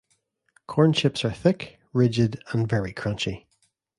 Corn chips are thick, rigid and very crunchy.